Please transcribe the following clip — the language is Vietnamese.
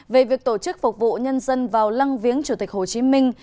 về việc tổ chức phục vụ nhân dân vào lăng viếng chủ tịch hồ chí minh